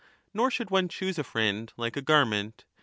Nor should one choose a friend like a garment.